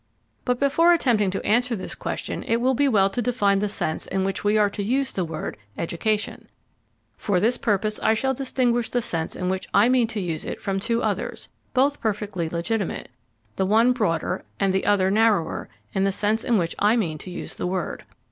But before attempting to answer this question it will be well to define the sense in which we are to use the word "education." For this purpose I shall distinguish the sense in which I mean to use it from two others, both perfectly legitimate, the one broader and the other narrower than the sense in which I mean to use the word.